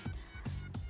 selanjutnya dari awe mani